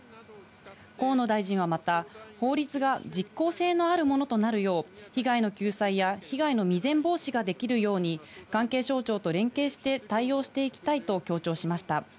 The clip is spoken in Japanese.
河野大臣は、また法律が実効性のあるものとなるよう、被害の救済や、被害の未然防止ができるように関係省庁と連携して対応していきたいと強調しました。